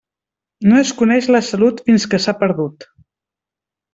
No es coneix la salut fins que s'ha perdut.